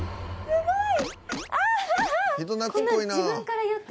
すごい！